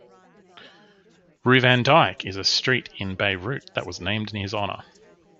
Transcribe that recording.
Rue Van Dyck is a street in Beirut that was named in his honor.